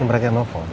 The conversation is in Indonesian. ini mereka yang nelfon